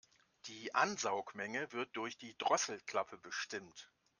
Die Ansaugmenge wird durch die Drosselklappe bestimmt.